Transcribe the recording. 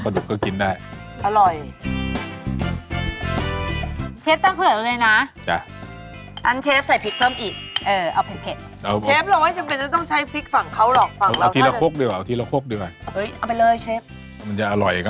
ใช่แล้วก็ใส่อันนี้ไว้อันอีกได้มั้ยเชฟ